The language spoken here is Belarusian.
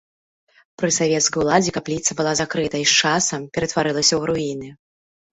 Пры савецкай уладзе капліца была закрыта і з часам ператварылася ў руіны.